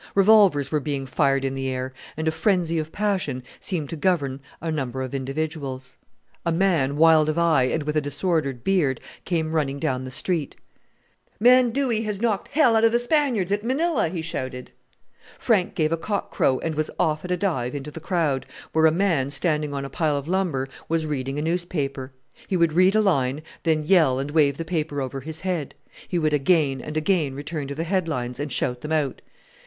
Revolvers were being fired in the air, and a frenzy of passion seemed to govern a number of individuals. A man, wild of eye, and with a disordered beard, came running down the street. "... man Dooey (Dewey) has knocked hell out of the Spaniards at Manilla!" he shouted. Frank gave a cock crow, and was off at a dive into the crowd, where a man, standing on a pile of lumber, was reading a newspaper. He would read a line, then yell and wave the paper over his head. He would again and again return to the headlines and shout them out.